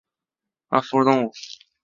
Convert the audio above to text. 里氏袋鼬属等之数种哺乳动物。